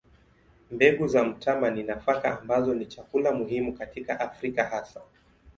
Mbegu za mtama ni nafaka ambazo ni chakula muhimu katika Afrika hasa.